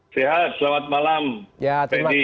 sehat selamat malam